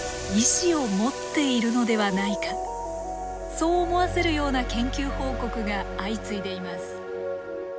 そう思わせるような研究報告が相次いでいます。